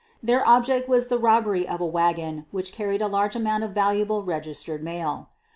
Their object was the robbery of a wagon which carried a large amount of valuable registered mail.